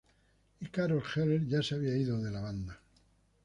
Y Carol Heller ya se había ido de la banda.